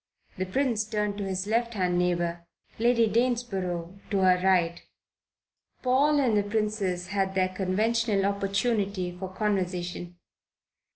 The Prince turned to his left hand neighbour; Lady Danesborough to her right. Paul and the Princess had their conventional opportunity for conversation.